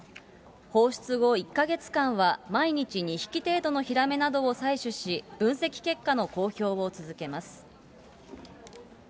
放出後１か月間は、毎日２匹程度のヒラメなどを採取し、分析結果の公表を続けます。